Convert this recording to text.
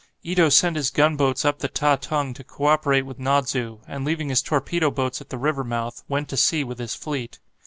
Ito sent his gunboats up the Ta tung to co operate with Nodzu, and leaving his torpedo boats at the river mouth, went to sea with his fleet.